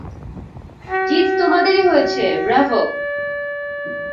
জিত তোমাদেরই হয়েছে, ব্রাভো!